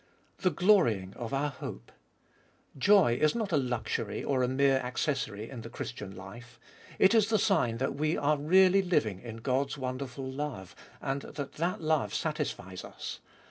3. The glorying of our hope. Joy is not a luxury or a mere accessory In the Christian life. It Is the sign that we are really living In God's wonderful love, and that that love satisfies us.